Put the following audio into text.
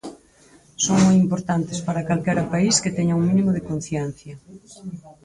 Son moi importantes para calquera país que teña un mínimo de conciencia.